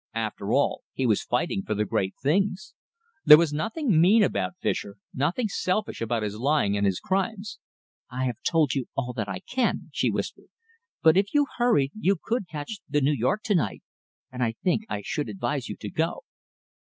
After all, he was fighting for the great things. There was nothing mean about Fischer, nothing selfish about his lying and his crimes. "I have told you all that I can," she whispered, "but if you hurried, you could catch the New York to night and I think I should advise you to go."